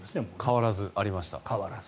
変わらずありました。